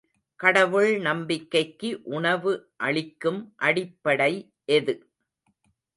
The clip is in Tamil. கடவுள் நம்பிக்கைக்கு உணவு அளிக்கும் அடிப்படை எது?